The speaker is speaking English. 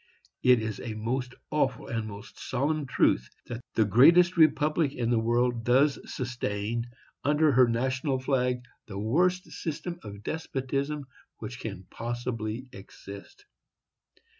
It is a most awful and most solemn truth that the greatest republic in the world does sustain under her national flag the worst system of despotism which can possibly exist.